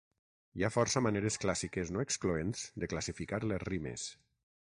Hi ha força maneres clàssiques no excloents de classificar les rimes.